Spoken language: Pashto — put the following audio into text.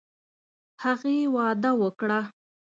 هغې وعده وکړه.